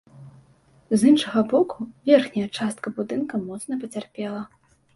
З іншага боку, верхняя частка будынка моцна пацярпела.